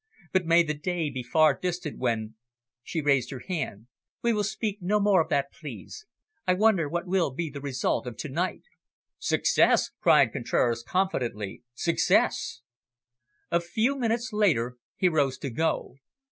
But may the day be far distant when " She raised her hand. "We will speak no more of that, please. I wonder what will be the result of to night?" "Success!" cried Contraras confidently. "Success!" A few minutes later he rose to go.